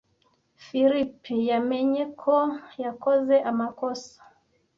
Philip yamenye ko yakoze amakosa.